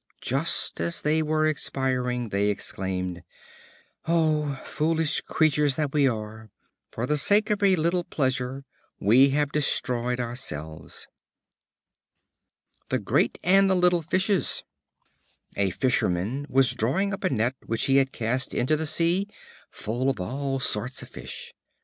Just as they were expiring, they exclaimed, "O foolish creatures that we are! For the sake of a little pleasure we have destroyed ourselves." The Great and the Little Fishes. A Fisherman was drawing up a net which he had cast into the sea, full of all sorts of fish.